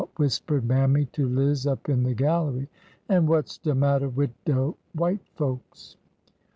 whispered Mammy to Liz up in the gallery. An' what 's de matter wid de white folks